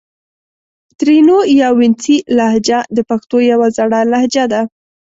ترینو یا وڼېڅي لهجه د پښتو یو زړه لهجه ده